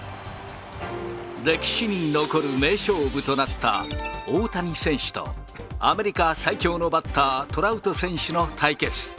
歴史に残る名勝負となった大谷選手と、アメリカ最強のバッター、トラウト選手の対決。